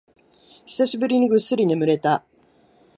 久しぶりにぐっすり眠れた